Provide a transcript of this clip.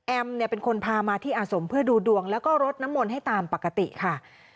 เป็นคนพามาที่อาสมเพื่อดูดวงแล้วก็รดน้ำมนต์ให้ตามปกติค่ะ